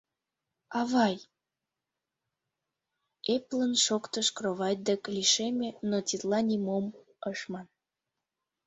— Авай, — эплын шоктыш, кровать дек лишеме, но тетла нимом ыш ман.